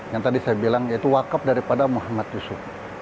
yang tadi saya bilang yaitu wakaf daripada muhammad yusuf